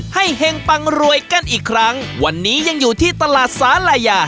เห็งปังรวยกันอีกครั้งวันนี้ยังอยู่ที่ตลาดสาลายา